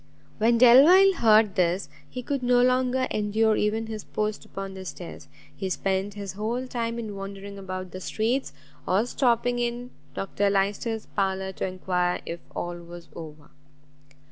When Delvile heard this, he could no longer endure even his post upon the stairs; he spent his whole time in wandering about the streets, or stopping in Dr Lyster's parlour to enquire if all was over.